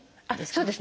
そうですね。